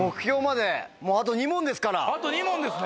あと２問ですね！